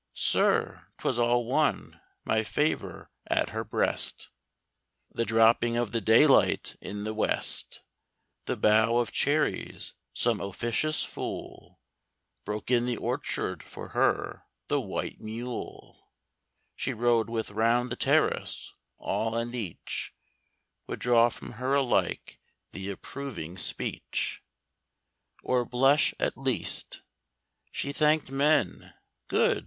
Sir, 'twas all one! My favour at her breast, The dropping of the daylight in the West, The bough of cherries some officious fool Broke in the orchard for her, the white mule She rode with round the terrace all and each Would draw from her alike the approving speech, 30 Or blush, at least. She thanked men good!